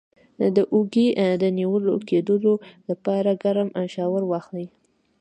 د اوږې د نیول کیدو لپاره ګرم شاور واخلئ